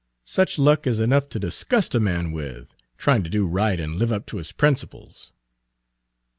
Such luck is enough to disgust a man with trying to do right and live up to his principles."